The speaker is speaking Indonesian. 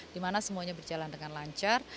dimana semuanya berjalan dengan lancar